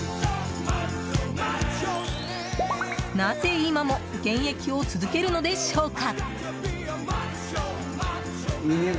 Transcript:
なぜ今も現役を続けるのでしょうか？